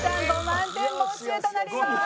５万点没収となります。